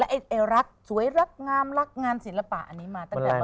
แล้วไอ้รักสวยรักงามรักงานศิลปะอันนี้มาตั้งแต่เมื่อไหร่